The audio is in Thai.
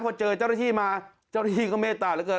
พอเจอเจ้าหน้าที่มาเจ้าหน้าที่ก็เมตตาเหลือเกิน